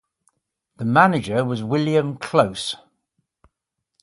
The manager was William Close.